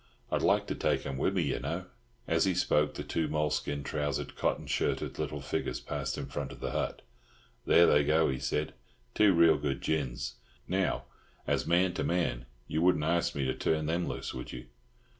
I'd like to take 'em with me, yer know." As he spoke the two moleskin trousered, cotton shirted little figures passed in front of the hut. "There they go," he said. "Two real good gins. Now, as man to man, you wouldn't arst me to turn them loose, would you?"